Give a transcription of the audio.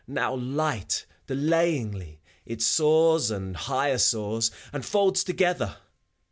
Now light, delayingly, it soars and higher soars, And folds together.